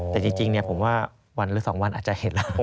แต่จริงผมว่าวันหรือ๒วันอาจจะเห็นแล้ว